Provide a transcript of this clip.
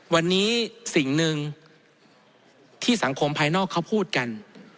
วันนี้สิ่งหนึ่งที่สังคมภายนอกเขาพูดกัน